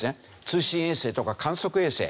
通信衛星とか観測衛星。